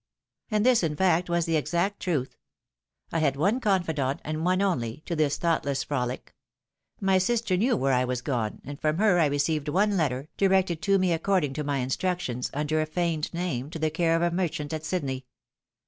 And this, in fact, was the exact truth. I had one confidant, and one only, to this thoughtless frohc ; my sister knew where I was gone, and from her I received one letter, directed to me according to my instructions, under a feigned name, to the care of a merchant at Sydney.